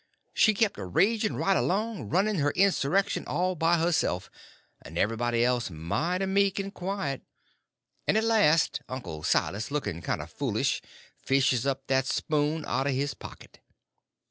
She kept a raging right along, running her insurrection all by herself, and everybody else mighty meek and quiet; and at last Uncle Silas, looking kind of foolish, fishes up that spoon out of his pocket.